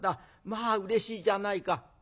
まあうれしいじゃないか。